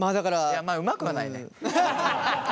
いやまあうまくはないね。